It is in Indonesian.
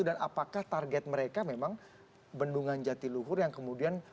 dan apakah target mereka memang bendungan jatiluhur yang kemudian